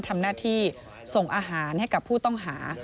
ทำหน้าที่ส่งอาหารให้กับผู้ต้องหา